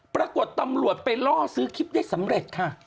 ปรากฏตำรวจไปล่อซื้อคลิปได้สำเร็จค่ะ